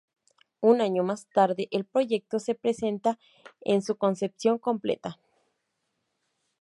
Un año más tarde, el proyecto se presenta en su concepción completa.